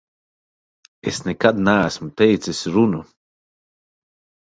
Es nekad neesmu teicis runu.